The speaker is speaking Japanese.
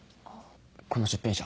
この出品者